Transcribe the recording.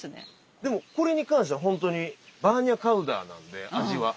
でもこれに関しては本当にバーニャカウダなんで味は。